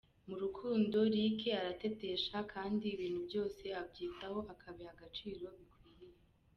Mu rukundo, Luc aratetesha kandi ibintu byose abyitaho akabiha agaciro bikwiriye.